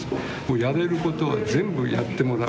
やれることを全部やってもらう。